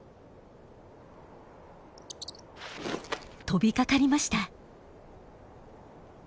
飛びかかりました。